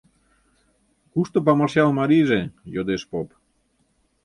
— Кушто Памашъял марийже? — йодеш поп.